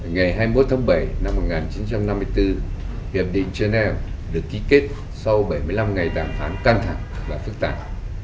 ngày hai mươi một tháng bảy năm một nghìn chín trăm năm mươi bốn hiệp định geneva được ký kết sau bảy mươi năm ngày đàm phán căng thẳng và phức tạp